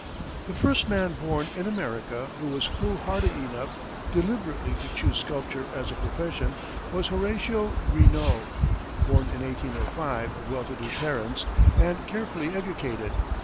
The first man born in America who was foolhardy enough deliberately to choose sculpture as a profession was Horatio Greenough, born in 1805, of well to do parents, and carefully educated.